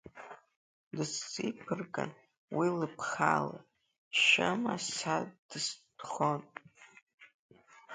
Дысзиԥыргар уи лыԥхала, шьыма са дыстәхон.